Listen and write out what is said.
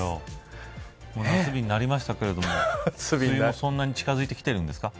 夏日になりましたけれども梅雨がそんなに近づいてきてるんですか。